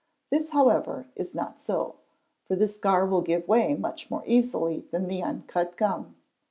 This, however, is not so, for the scar will give way much more easily than the uncut gum.